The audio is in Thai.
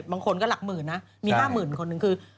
บางคนก็หลักหมื่นนะมีห้าหมื่นคนนึง